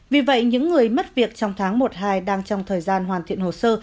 vì vậy những người mất việc trong tháng một hai đang trong thời gian hoàn thiện hồ sơ